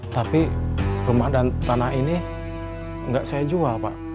tapi rumah dan tanah ini nggak saya jual pak